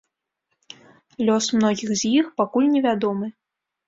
Лёс многіх з іх пакуль невядомы.